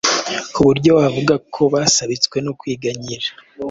ku buryo wavuga ko basabitswe no kwiganyira.